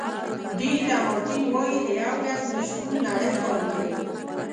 ډي لمارټین وایي د یو کس نه شتون نړۍ خالي کوي.